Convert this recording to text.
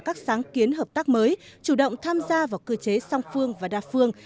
các sáng kiến hợp tác mới chủ động tham gia vào cơ chế song phương và đa phương